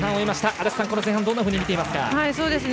安達さん、この前半どう見ていますか。